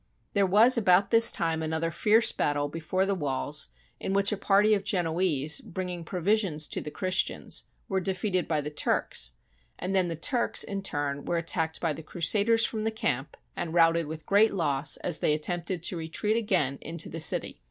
There was about this time another fierce battle before the walls in which a party of Genoese, bring ing provisions to the Christians, were defeated by the Turks; and then the Turks in turn were at tacked by the Crusaders from the camp and routed with great loss as they attempted to retreat again into the city.